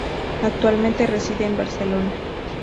Actualmente, reside en Barcelona.